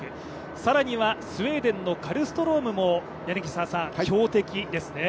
更にはスウェーデンのカルストロームも強敵ですよね。